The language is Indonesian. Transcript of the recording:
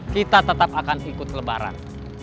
kita tetap akan ikut lebaran